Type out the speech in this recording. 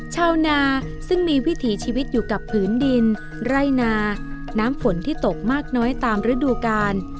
ชาวนาซึ่งมีวิถีชีวิตอยู่กับผืนดินไร่นาน้ำฝนที่ตกมากน้อยตามฤดูกาล